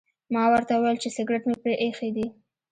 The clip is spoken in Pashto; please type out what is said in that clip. ما ورته وویل چې سګرټ مې پرې ایښي دي.